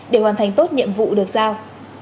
để hoàn thành tốt nhiệm vụ được giao